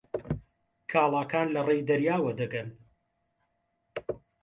کاڵاکان لەڕێی دەریاوە دەگەن.